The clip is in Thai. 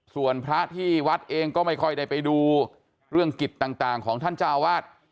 ส่วนพระที่วัดเองก็ไม่ค่อยได้ไปดูเรื่องกิจต่างของท่านเจ้าวาด